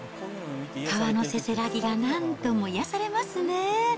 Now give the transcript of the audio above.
川のせせらぎが、なんとも癒やされますね。